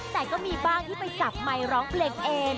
แต่ก็มีบ้างที่ไปจับไมค์ร้องเพลงเอง